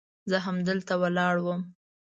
زه همدلته ولاړ وم.